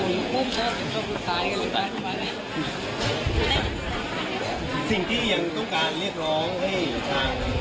สิ่งที่อีกก็คือเรียกร้องให้ทางบอกว่าที่จะเข้ามา